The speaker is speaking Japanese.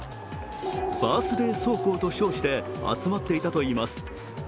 バースデー暴走と称して集まっていたといいます。